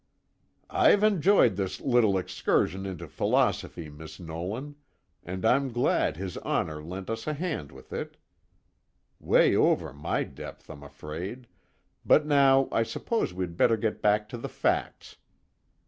"I've enjoyed this little excursion into philosophy, Miss Nolan, and I'm glad his Honor lent us a hand with it 'way over my depth, I'm afraid but now I suppose we'd better get back to the facts.